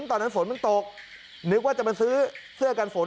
ตอนนั้นฝนมันตกนึกว่าจะมาซื้อเสื้อกันฝน